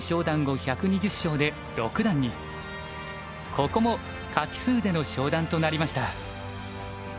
ここも勝ち数での昇段となりました。